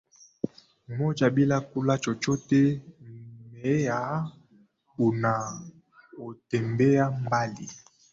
mmoja bila kula chochote Mmea unaotembea Mbali